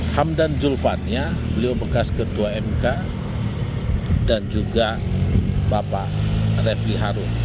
hamdan julvan beliau bekas ketua mk dan juga bapak repi harun